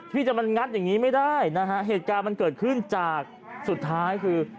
ที่จะมันงัดอย่างนี้ไม่ได้นะฮะเหตุการณ์มันเกิดขึ้นจากสุดท้ายคือ